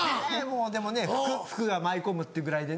でもねフクが舞い込むってぐらいでね。